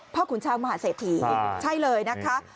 พ่อขุนช้างมหาเสพีใช่เลยนะครับ